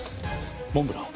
モンブランを。